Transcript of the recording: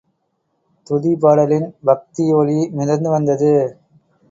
துதிப்பாடலின் பக்தி ஒலி மிதந்து வந்தது.